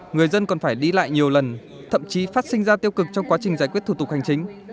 người dân còn phải đi lại nhiều lần thậm chí phát sinh ra tiêu cực trong quá trình giải quyết thủ tục hành chính